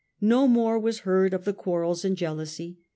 No more was heard of the quarrels and jealousy.